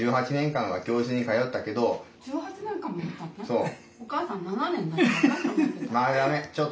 そう。